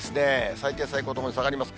最低、最高ともに下がります。